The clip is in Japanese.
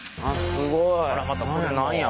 すごいな。